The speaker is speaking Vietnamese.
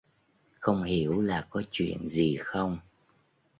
Không hiểu là có chuyện gì không